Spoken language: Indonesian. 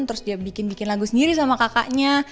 terus dia bikin bikin lagu sendiri sama kakaknya